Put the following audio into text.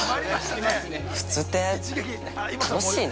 「普通」って楽しいな。